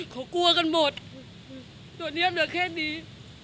เขากลัวกันหมดตัวนี้เหลือแค่นี้